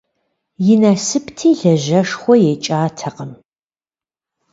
И насыпти, лажьэшхуэ екӀатэкъым.